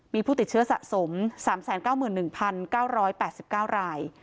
มีผู้ติดเชื้อสะสมสามแสนเก้าหมื่นหนึ่งพันเก้าร้อยแปดสิบเก้าราย